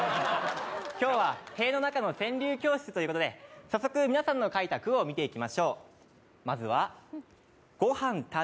今日は塀の中の川柳教室ということで、早速皆さんの書いた句を見ていきましょう。